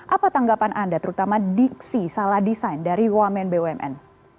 apa tanggapan anda terutama diksi salah desain dari wamen bumn